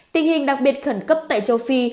tình hình đặc biệt khẩn cấp tại châu phi